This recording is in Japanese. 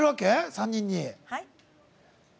３人に。